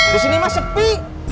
disini mah sepi